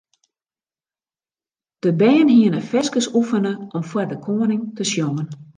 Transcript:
De bern hiene ferskes oefene om foar de koaning te sjongen.